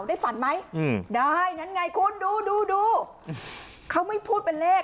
ได้ฝันไหมอืมได้นั่นไงคุณดูดูดูเขาไม่พูดเป็นเลข